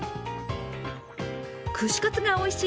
串カツがおいしい